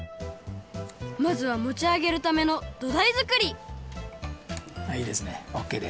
まずはもちあげるためのどだいづくりいいですねオッケーです。